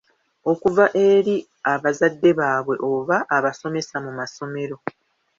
Okuva eri abazadde baabwe oba abasomesa ku masomero.